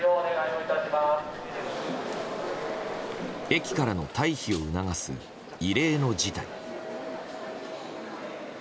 駅からの退避を促す異例の事態。